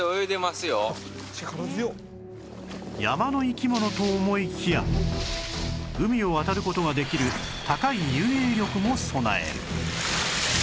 山の生き物と思いきや海を渡る事ができる高い遊泳力も備える